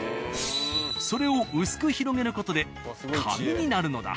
それを薄く広げる事で紙になるのだ。